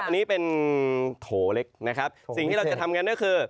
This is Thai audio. นี่เป็นโถเด็กสิ่งที่เราจะดังกันนี่คือ